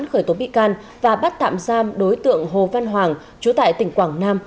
khởi tố bị can và bắt tạm giam đối tượng hồ văn hoàng chú tại tỉnh quảng nam